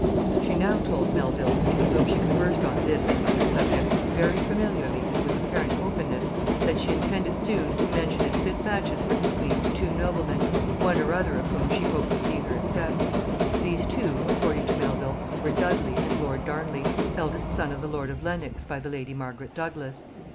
She now told Melvil, with whom she conversed on this and other subjects very familiarly and with apparent openness, that she intended soon to mention as fit matches for his queen two noblemen, one or other of whom she hoped to see her accept. These two, according to Melvil, were Dudley and lord Darnley, eldest son of the earl of Lenox by the lady Margaret Douglas.